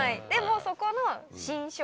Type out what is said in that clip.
でもそこの。